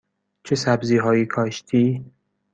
چه سبزی هایی کاشتی؟